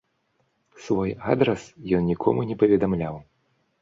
Свой адрас ён нікому не паведамляў.